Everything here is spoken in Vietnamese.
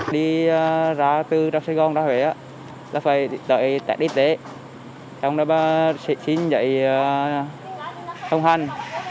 đi ra từ sài gòn ra huế là phải đợi tắc y tế xin dạy thông hành